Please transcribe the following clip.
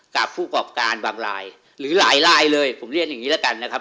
กับผู้กรอบการบางรายหรือหลายลายเลยผมเรียนอย่างนี้แล้วกันนะครับ